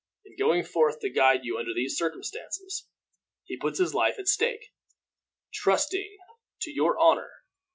In going forth to guide you under these circumstances, he puts his life at stake, trusting to your honor.